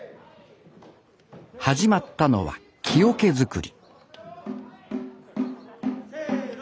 始まったのは木桶作りせの！